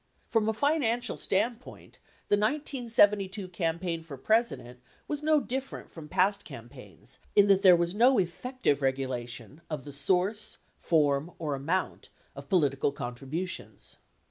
From a financial standpoint, the 1972 campaign for President was no different from past campaigns in that ' here was no effective regulation of the source, form or amount of political contributions.